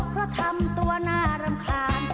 เพราะทำตัวน่ารำคาญ